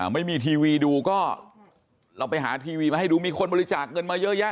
ไม่มีทีวีดูก็เราไปหาทีวีมาให้ดูมีคนบริจาคเงินมาเยอะแยะ